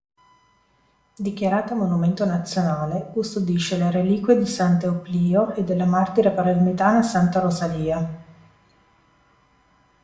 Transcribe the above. Dichiarata monumento nazionale, custodisce le reliquie di Sant'Euplio e della martire palermitana Santa Rosalia.